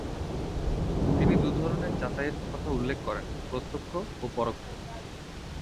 তিনি দু’ধরনের যাচাইয়ের কথা উল্লেখ করেন: প্রত্যক্ষ ও পরোক্ষ।